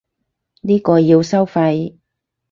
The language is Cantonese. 呢個要收費